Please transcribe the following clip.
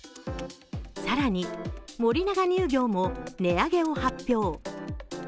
更に森永乳業も値上げを発表。